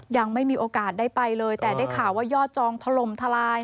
ยังไม่มีโอกาสได้ไปเลยแต่ได้ข่าวว่ายอดจองถล่มทลาย